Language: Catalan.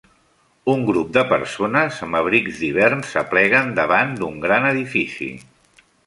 Un grup de persones amb abrics d'hivern s'apleguen davant d'un gran edifici.